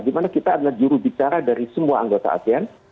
di mana kita adalah juru bicara dari semua anggota asean